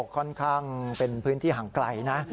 ค่อนข้างเป็นพื้นที่ห่างไกลนะ